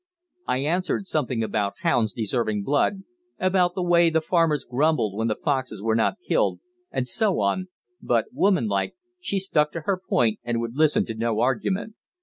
I answered something about hounds deserving blood: about the way the farmers grumbled when foxes were not killed, and so on; but, woman like, she stuck to her point and would listen to no argument.